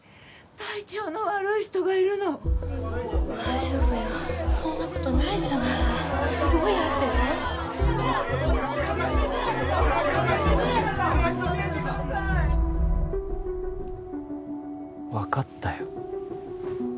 体調の悪い人がいるの大丈夫よそんなことないじゃないすごい汗よ分かったよ